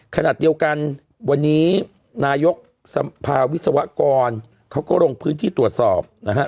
ขณะเดียวกันวันนี้นายกสภาวิศวกรเขาก็ลงพื้นที่ตรวจสอบนะฮะ